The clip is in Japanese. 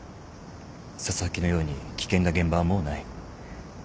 紗崎のように危険な現場はもうない。